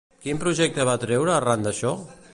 Quin projecte va treure arran d'això?